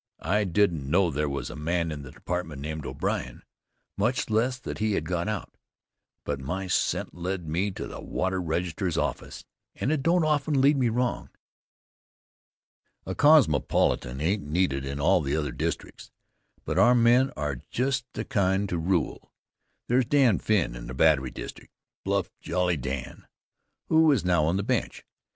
I didn't know there was a man in the department named O'Brien, much less that he had got out, but my scent led me to the Water Register's office, and it don't often lead me wrong. A cosmopolitan ain't needed in all the other districts, but our men are just the kind to rule. There's Dan Finn, in the Battery district, bluff, jolly Dan, who is now on the bench.